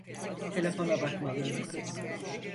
Telefona bakmalıyım.